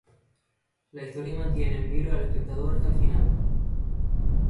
La historia mantiene en vilo al espectador hasta el final.